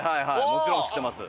もちろん知ってます。